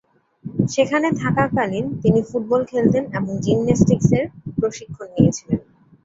সেখানে থাকাকালীন তিনি ফুটবল খেলতেন এবং জিমন্যাস্টিকস এর প্রশিক্ষণ নিয়েছিেলন।